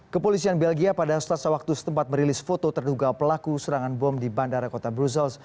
kepolisian belgia pada selasa waktu setempat merilis foto terduga pelaku serangan bom di bandara kota brussels